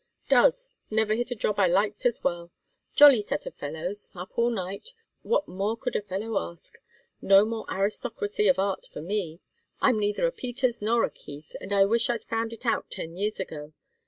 "Does! Never hit a job I liked as well. Jolly set of fellows. Up all night. What more could a fellow ask? No more aristocracy of art for me. I'm neither a Peters nor a Keith, and I wish I'd found it out ten years ago.